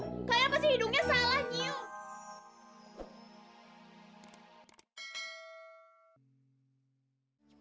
kayaknya pasti hidungnya salah nyiuk